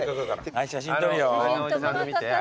はい写真撮るよ。